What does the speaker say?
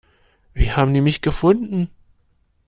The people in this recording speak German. Wie haben die mich gefunden?